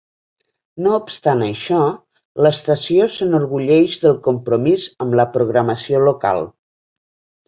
No obstant això, l'estació s'enorgulleix del compromís amb la programació local.